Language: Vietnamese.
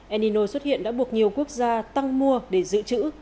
enino xuất hiện đã buộc nhiều quốc gia tăng mua để giữ chữ